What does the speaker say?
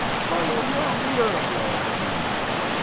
"Follow your leader," roared the men.